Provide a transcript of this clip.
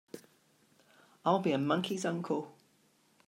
I'll be a monkey's uncle!